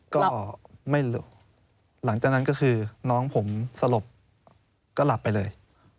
ก็ไม่รู้หลังจากนั้นก็คือน้องผมสลบก็หลับไปเลย